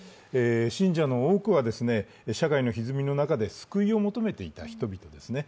信者の多くは、社会のひずみの中で救いを求めていた人々ですね。